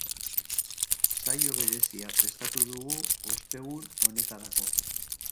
Saio berezia prestatu dugu ostegun honetarako.